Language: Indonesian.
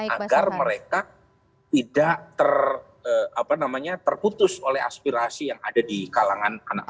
agar mereka tidak terputus oleh aspirasi yang ada di kalangan anak anak